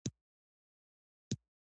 د انارو زړې هضم ته مرسته کوي.